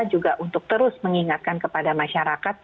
juga untuk terus mengingatkan kepada masyarakat